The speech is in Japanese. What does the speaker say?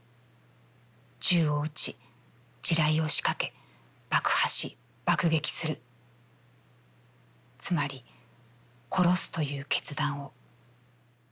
銃を撃ち、地雷をしかけ、爆破し、爆撃するつまり殺すという決断を」。